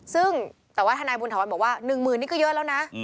ซึ่งแต่ว่าทนายบุญถวันบอกว่า๑หมื่นนี่ก็เยอะแล้วนะ